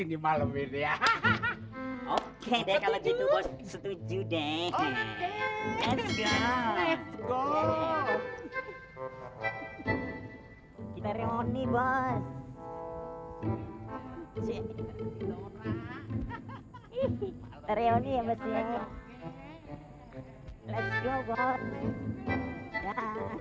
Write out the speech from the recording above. di malam ini ya hahaha oke deh kalau gitu bos setuju deh